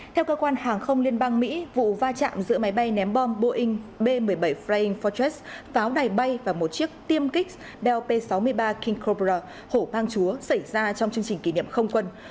theo cơ quan hàng không liên bang mỹ vụ va chạm giữa máy bay ném bom boeing b một mươi bảy flying fortress pháo đài bay và một chiếc tiêm kích delta p sáu mươi ba king cobra hổ bang chúa xảy ra trong chương trình kỷ niệm không quân